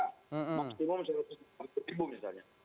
maksimum rp satu ratus lima puluh misalnya